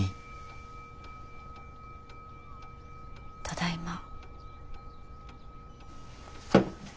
ただいま。